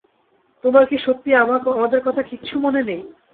তোমার কি সত্যিই আমাদের কথা কিচ্ছু মনে নেই?